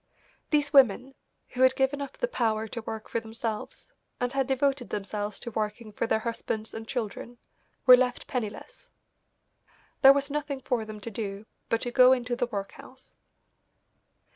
These women, who had given up the power to work for themselves, and had devoted themselves to working for their husbands and children, were left penniless. There was nothing for them to do but to go into the workhouse.